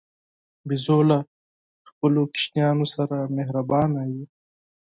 بیزو له خپلو ماشومانو سره مهربانه وي.